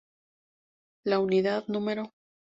La Unidad No.